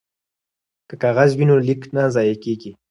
که کاغذ وي نو لیک نه ضایع کیږي.